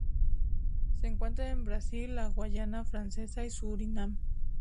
Se encuentra en Brasil, la Guayana francesa y Surinam.